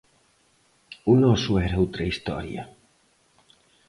O noso era outra historia.